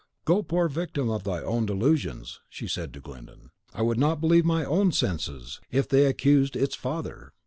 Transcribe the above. "Go, poor victim of thine own delusions," she said to Glyndon; "I would not believe mine own senses, if they accused ITS father!